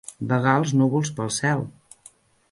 Vagar els núvols pel cel.